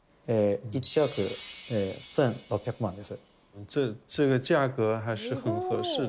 １億１６００万です。